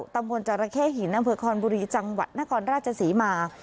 ตำบลจรเข้หินอำเภอคอนบุรีจังหวัดนครราชศรีมา